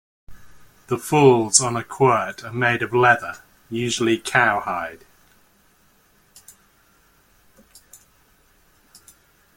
The falls on a quirt are made of leather, usually cow hide.